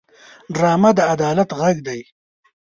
ډرامه د عدالت غږ دی